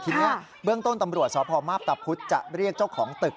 ทีนี้เบื้องต้นตำรวจสพมาพตะพุธจะเรียกเจ้าของตึก